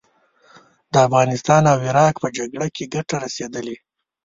د افغانستان او عراق په جګړه کې ګټه رسېدلې.